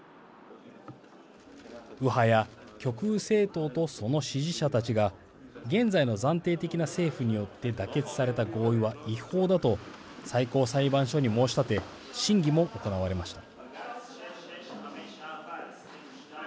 右派や極右政党とその支持者たちが現在の暫定的な政府によって妥結された合意は違法だと最高裁判所に申し立て審議も行われました。